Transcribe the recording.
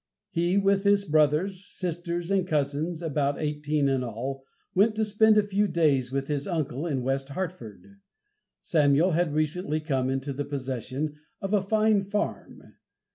He, with his brothers, sisters and cousins, about eighteen in all, went to spend a few days with his uncle in West Hartford. Samuel had recently come into the possession of a fine farm.